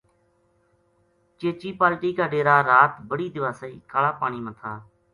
چیچی پالٹی کا ڈیرا رات بڑی دیواسئی کالا پانی ما تھا